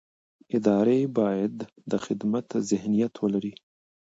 ادارې باید د خدمت ذهنیت ولري